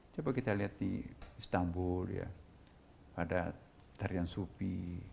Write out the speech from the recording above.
coba kita lihat di istanbul ya ada tarian supi